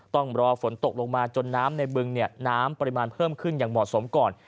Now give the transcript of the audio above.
ต้องรอฝนตกลงมาจนน้ำในบึงน้ำปริมาณเพิ่มขึ้นอย่างเหมาะสมก่อน